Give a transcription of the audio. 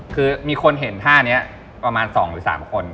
คือมีคนเห็นท่านี้ประมาณ๒หรือ๓คน